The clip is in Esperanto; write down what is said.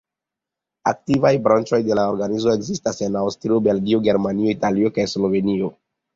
Aktivaj branĉoj de la organizo ekzistas en Aŭstrio, Belgio, Germanio, Italio kaj Slovenio.